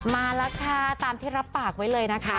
มาแล้วค่ะตามที่รับปากไว้เลยนะคะ